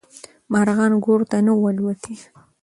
مارغان ګور ته نه وو الوتلي.